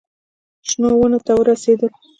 شنو ونو ته ورسېدل.